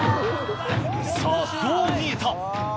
さぁどう見えた？